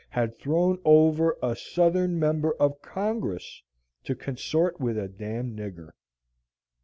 had thrown over a Southern member of Congress to consort with a d d nigger.